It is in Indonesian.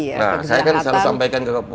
nah saya kan selalu sampaikan ke publik